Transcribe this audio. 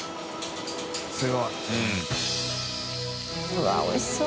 うわおいしそう。